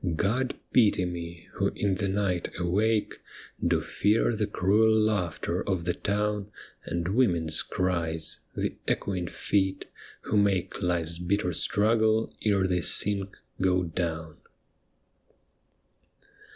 God pity me, who in the night awake Do fear the cruel laughter of the town And women's cries, — the echoing feet, who make Life's bitter struggle ere they sink, go down.